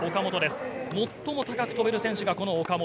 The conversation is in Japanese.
最も高く飛べる選手がこの岡本。